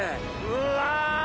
うわ